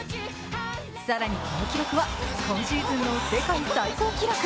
更にこの記録は今シーズンの世界最高記録。